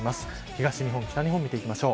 東日本、北日本です。